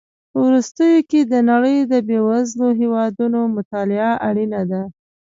په وروستیو کې د نړۍ د بېوزلو هېوادونو مطالعه اړینه ده.